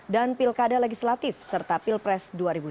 dan pilkada legislatif serta pilpres dua ribu sembilan belas